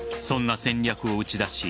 そんな戦略を打ち出し